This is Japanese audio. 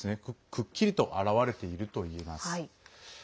くっきりとあらわれているといえます。